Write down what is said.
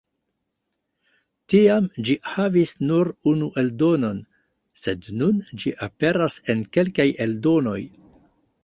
Tiam ĝi havis nur unu eldonon, sed nun ĝi aperas en kelkaj eldonoj.